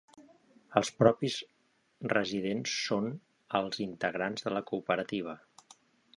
Els propis resident són els integrants de la cooperativa.